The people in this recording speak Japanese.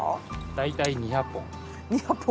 大体２００本。